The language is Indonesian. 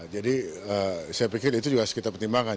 jadi saya pikir itu juga harus kita pertimbangkan